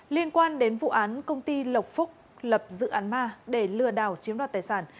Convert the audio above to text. liên quan đến vụ án công ty lộc phúc lập dự án ma để lừa đảo chiếm đoạt tài sản